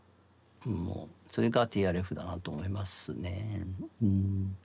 それがＴＲＦだなと思いますねうん。